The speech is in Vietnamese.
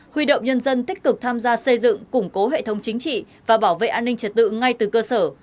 huy động nhân dân tích cực tham gia xây dựng củng cố hệ thống chính trị và bảo vệ an ninh trật tự ngay từ cơ sở